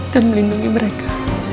dan melindungi mereka